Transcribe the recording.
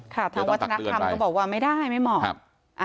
ทางวัฒนธรรมก็บอกว่าไม่ได้ไม่เหมาะ